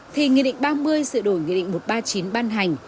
thì nghị định ba mươi sự đổi nghị định một trăm ba mươi chín ban hành